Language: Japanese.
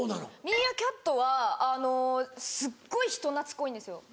ミーアキャットはすっごい人懐っこいんですよ。